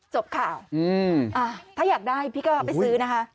จบข่าวถ้าอยากได้พี่ก็ไปซื้อนะคะ